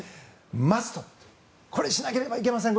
マストこれをしなければなりません。